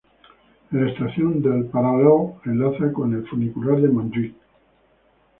En la estación de Paral·lel enlaza con el funicular de Montjuïc.